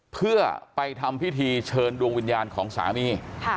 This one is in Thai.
เพื่อไปทำพิธีเชิญดวงวิญญาณของสามี